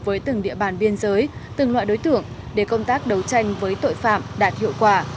với từng địa bàn biên giới từng loại đối tượng để công tác đấu tranh với tội phạm đạt hiệu quả